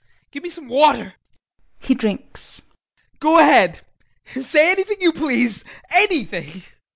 Give me some water. [He drinks] Go ahead! Say anything you please anything!